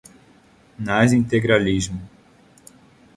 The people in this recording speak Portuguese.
nazi-integralismo